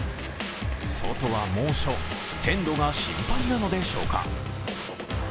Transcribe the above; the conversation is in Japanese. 外は猛暑、鮮度が心配なのでしょうか。